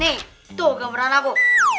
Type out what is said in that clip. nih tuh gambaran aku